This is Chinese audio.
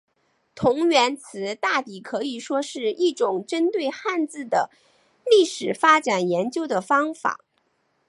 同源词大抵可以说是一种针对汉字的历史发展研究的方法。